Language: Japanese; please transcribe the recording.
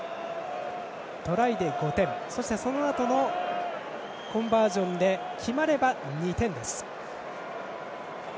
トライで５点そのあとのコンバージョンが決まれば２点です。